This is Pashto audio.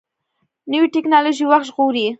نوې ټکنالوژي وخت ژغوري